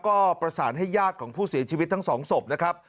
ก็ประสานให้ญาติของผู้เสียชีวิตทั้งสองศพนะครับ